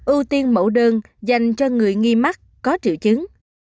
ưu tiên mẫu đơn dành cho người nghi mắc có triệu chứng